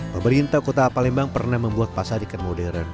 pemerintah kota palembang pernah membuat pasar ikan modern